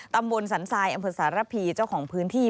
ตำบลสันทรายอำเภอสารพีเจ้าของพื้นที่